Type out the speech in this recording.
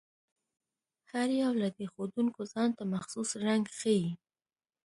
هر یو له دې ښودونکو ځانته مخصوص رنګ ښيي.